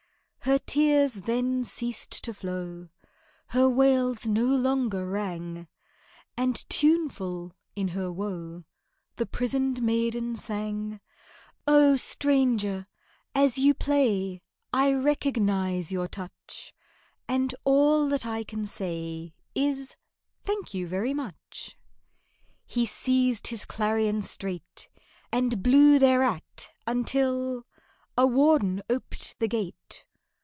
Her tears then ceased to flow, Her wails no longer rang, And tuneful in her woe The prisoned maiden sang: "Oh, stranger, as you play, I recognize your touch; And all that I can say Is, thank you very much." He seized his clarion straight, And blew thereat, until A warden oped the gate.